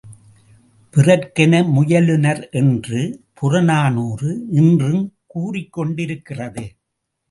பிறர்க்கென முயலுநர் என்று, புறநாறூறு இன்றும் கூறிக்கொண்டிருக்கிறது.